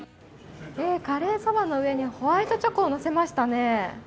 カレーそばのうえにホワイトチョコをのせましたね。